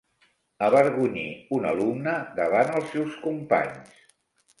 Avergonyir un alumne davant els seus companys.